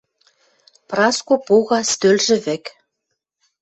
Праско пога стӧлжӹ вӹк.